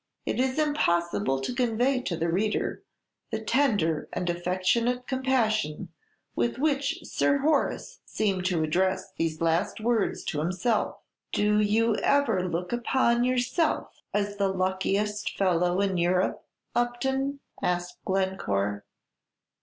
It is impossible to convey to the reader the tender and affectionate compassion with which Sir Horace seemed to address these last words to himself. "Do you ever look upon yourself as the luckiest fellow in Europe, Upton?" asked Glencore.